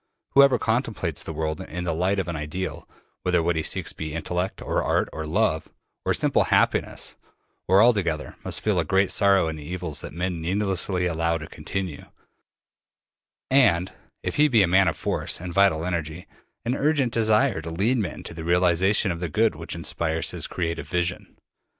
Whoever contemplates the world in the light of an ideal whether what he seeks be intellect, or art, or love, or simple happiness, or all together must feel a great sorrow in the evils that men needlessly allow to continue, and if he be a man of force and vital energy an urgent desire to lead men to the realization of the good which inspires his creative vision.